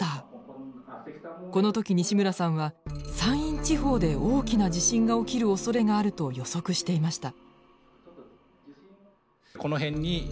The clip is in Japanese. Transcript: この時西村さんは山陰地方で大きな地震が起きるおそれがあると予測していました。